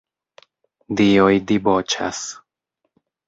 Dioj diboĉas.